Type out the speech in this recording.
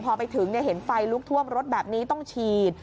พอไปถึงเห็นไฟลุกท่วมรถแบบนี้ต้องฉีด